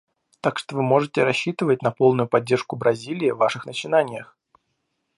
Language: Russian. Так что вы можете рассчитывать на полную поддержку Бразилии в ваших начинаниях.